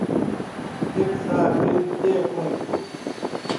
پِھک ساگِھن تے پئیں پو